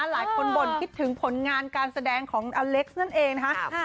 หลายคนบ่นคิดถึงผลงานการแสดงของอเล็กซ์นั่นเองนะคะ